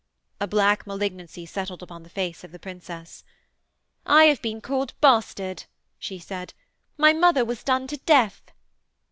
A black malignancy settled upon the face of the princess. 'I have been called bastard,' she said. 'My mother was done to death.'